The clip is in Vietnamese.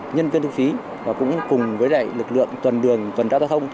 nhân viên thu phí và cũng cùng với lực lượng tuần đường tuần tra giao thông